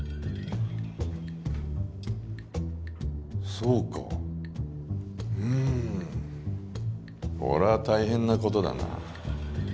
そうかうーんこれは大変なことだな